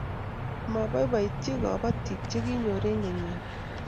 Maboiyboiitch kabotik che konyor eng' kenyini